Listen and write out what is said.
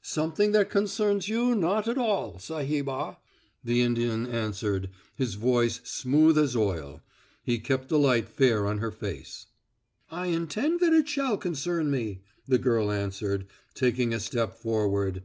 "Something that concerns you not at all, Sahibah," the Indian answered, his voice smooth as oil. He kept the light fair on her face. "I intend that it shall concern me," the girl answered, taking a step forward.